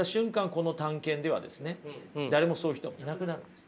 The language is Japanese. この探検ではですね誰もそういう人がいなくなるんです。